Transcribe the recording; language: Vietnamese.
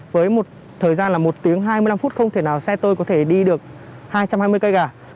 với một thời gian là một tiếng hai mươi năm phút không thể nào xe tôi có thể đi được hai trăm hai mươi cây cả